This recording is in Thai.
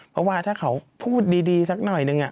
เพราะว่าถ้าเขาพูดดีสักหน่อยนึง